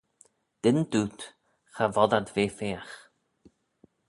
Dyn dooyt cha vod ad ve feagh.